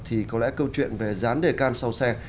thì có lẽ câu chuyện về dán đề can sau xe